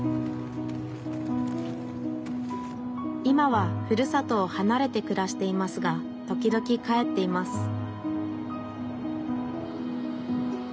今はふるさとをはなれてくらしていますが時々帰っています